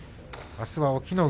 あすは隠岐の海。